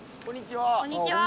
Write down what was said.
こんにちは。